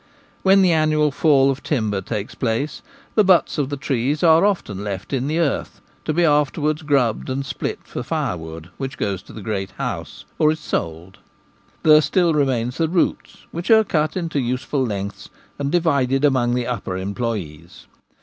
When the annual fall of timber takes place the butts of the trees are often left in the earth, to be afterwards grubbed and split for firewood, which goes to the great house or is sold. There still remain the roots, Which are cut into useful lengths and divided among the upper employes.